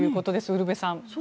ウルヴェさん。